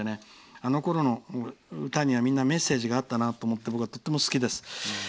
あのころの歌にはみんなメッセージがあったなと思って僕はとても好きです。